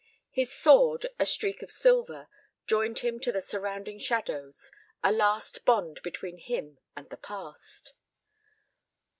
His sword, a streak of silver, joined him to the surrounding shadows, a last bond between him and the past.